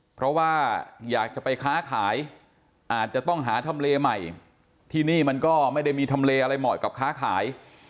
เพราะว่าอยากจะไปค้าขายอาจจะต้องหาทำเลใหม่ที่นี่มันก็ไม่ได้มีทำเลอะไรเหมาะกับค้าขาย